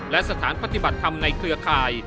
และสถานปฏิบัติธรรมในเครือข่าย